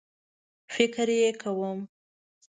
فکر یې کوم